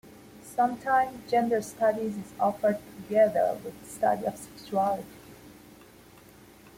Sometimes, gender studies is offered together with study of sexuality.